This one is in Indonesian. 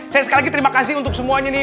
saya sekali lagi terima kasih untuk semuanya nih